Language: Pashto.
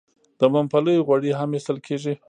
د ممپلیو غوړي هم ایستل کیږي.